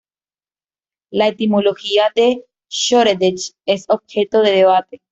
La etimología de 'Shoreditch' es objeto de debate.